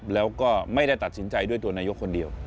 แล้วก็ไม่ได้ตัดสินใจด้วยตัวนายกคนเดียว